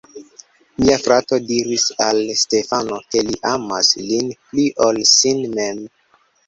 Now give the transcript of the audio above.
Mia frato diris al Stefano, ke li amas lin pli, ol sin mem.